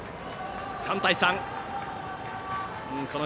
３対３。